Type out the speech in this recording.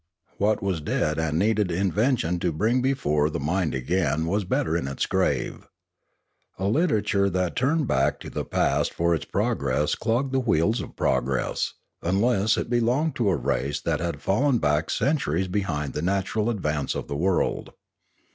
What was dead and needed invention to bring before the mind again was better in its grave. A literature that turned back to the past for its progress clogged the wheels of progress, unless it belonged to a race that had fallen back cent uries behind the natural advance of the world.